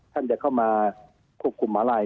ท่านจะเข้ามาผกกลุ่มมาลัย